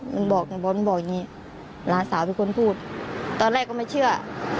มันบอกในบอลมึงบอกอย่างนี้หลานสาวเป็นคนพูดตอนแรกก็ไม่เชื่อ